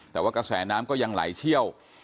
แต่ว่ากระแสน้ำก็ยังไหลเชี่ยว